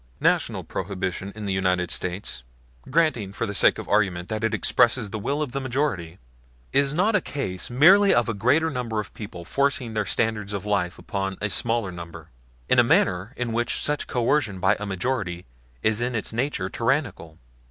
National Prohibition in the United States granting, for the sake of argument, that it expresses the will of a majority is not a case merely of a greater number of people forcing their standards of life upon a smaller number, in a matter in which such coercion by a majority is in its nature tyrannical.